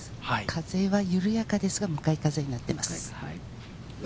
風は緩やかですが、向かい風になっています。